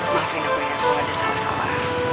maafin aku ini aku gak ada sama sama